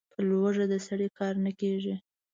په لږو د سړي کار نه کېږي.